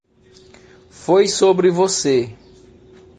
Foi sobre você.